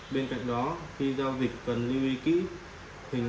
bên cạnh đó khi giao dịch cần lưu ý kỹ hình ảnh giao dịch thành công